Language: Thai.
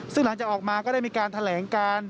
ซึ่งหลังจากออกมาก็ได้มีการแถลงการ